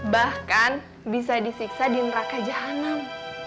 bahkan bisa disiksa di neraka jahanam